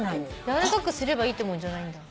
やわらかくすればいいってもんじゃないんだ。